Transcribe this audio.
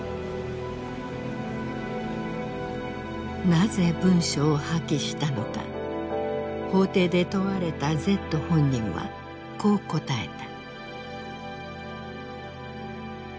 なぜ文書を破棄したのか法廷で問われたＺ本人はこう答えた。